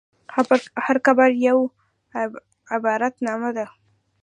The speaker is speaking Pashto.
هر قبر یوه عبرتنامه ده.